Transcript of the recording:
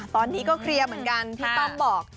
ตอนนี้ก็เคลียร์เหมือนกันพี่ต้อมบอก